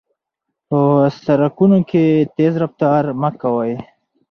په سړکونو کې تېز رفتار مه کوئ.